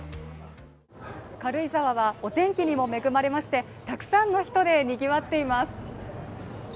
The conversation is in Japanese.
軽井沢はお天気にも恵まれまして、たくさんの人で賑わっています。